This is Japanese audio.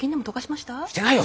してないよ